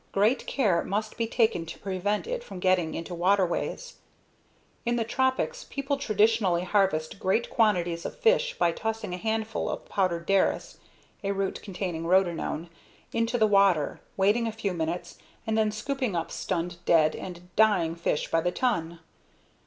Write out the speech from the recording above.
Great care must be taken to prevent it from getting into waterways. In the tropics, people traditionally harvest great quantities of fish by tossing a handful of powdered derris (a root containing rotenone) into the water, waiting a few minutes, and then scooping up stunned, dead, and dying fish by the ton.